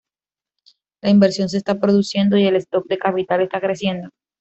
La inversión se está produciendo y el stock de capital está creciendo.